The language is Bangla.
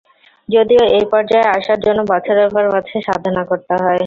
যদিও এই পর্যায়ে আসার জন্য বছরের পর বছর সাধনা করতে হয়।